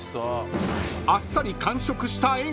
［あっさり完食した炎鵬。